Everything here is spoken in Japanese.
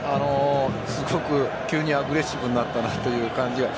急にアグレッシブになったなという感じが。